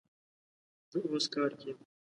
زه اوس کار کی یم